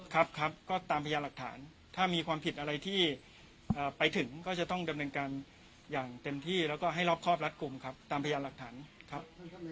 ครับครับก็ตามพยานหลักฐานถ้ามีความผิดอะไรที่ไปถึงก็จะต้องดำเนินการอย่างเต็มที่แล้วก็ให้รอบครอบรัดกลุ่มครับตามพยานหลักฐานครับ